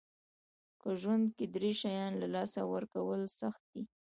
که ژوند کې درې شیان له لاسه ورکړل سخت دي.